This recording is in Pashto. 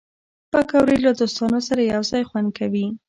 پکورې له دوستانو سره یو ځای خوند کوي